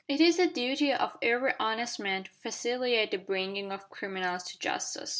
"It is the duty of every honest man to facilitate the bringing of criminals to justice."